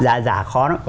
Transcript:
giả giả khó lắm